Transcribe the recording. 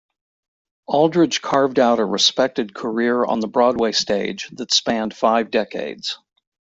Aldredge carved out a respected career on the Broadway stage that spanned five decades.